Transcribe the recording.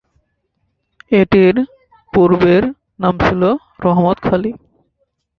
এটির পূর্বের নাম ছিল "রহমত খালি"।